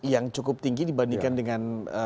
yang cukup tinggi dibandingkan dengan